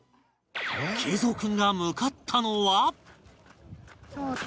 桂三君が向かったのは